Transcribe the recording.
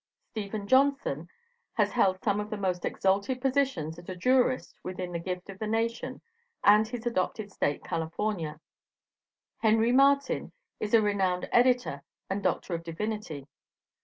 Stephen Johnson, has held some of the most exalted positions as a jurist within the gift of the nation and his adopted State, California. Henry Martyn, is a renowned editor and Doctor of Divinity.